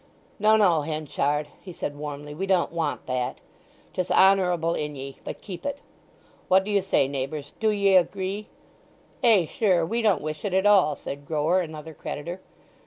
"No, no, Henchard," he said warmly. "We don't want that. 'Tis honourable in ye; but keep it. What do you say, neighbours—do ye agree?" "Ay, sure: we don't wish it at all," said Grower, another creditor.